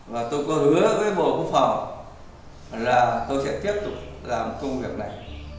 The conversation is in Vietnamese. và tôi có hứa với bộ quốc phòng là tôi sẽ tiếp tục làm công việc này